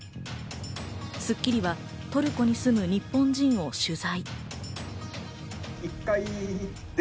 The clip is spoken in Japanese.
『スッキリ』はトルコに住む日本人を取材。